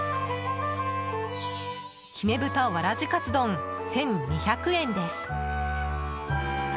姫豚わらじかつ丼１２００円です。